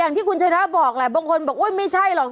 อย่างที่คุณชนะบอกแหละบางคนบอกอุ๊ยไม่ใช่หรอก